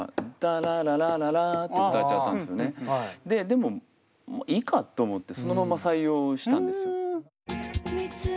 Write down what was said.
でもいいかと思ってそのまま採用したんですよ。